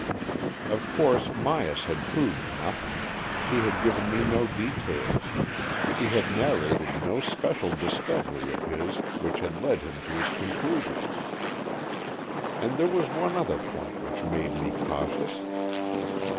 Of AN EXCHANGE OF SOULS 29 course Myas had proved nothing, he had given me no details, he had narrated no special discovery of his which had led him to his conclusions. And there was one other point which made me cautious.